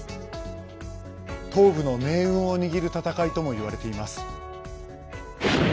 東部の命運を握る戦いとも言われています。